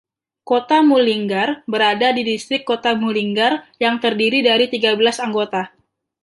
Kota Mullingar berada di distrik kota Mullingar yang terdiri dari tiga belas anggota.